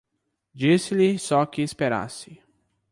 Disse-lhe só que esperasse.